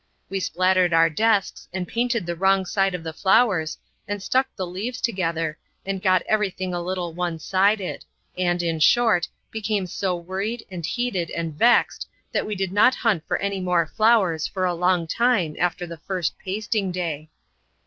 We spattered our desks, and pasted the wrong side of the flowers, and stuck the leaves together, and got every thing a little one sided, and, in short, became so worried and heated and vexed, that we did not hunt for any more flowers for a long time after the first pasting day.